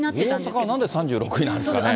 大阪はなんで３６位なんですかね。